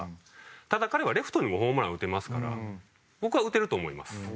ただ彼はレフトにもホームラン打てますから僕は打てると思います。